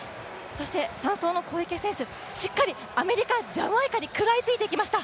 そして３走の小池選手、しっかりアメリカ、ジャマイカに食らいつきました。